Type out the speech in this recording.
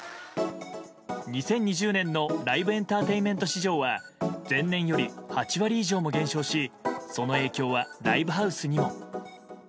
２０２０年のライブエンターテインメント市場は前年より８割以上も減少しその影響はライブハウスにも。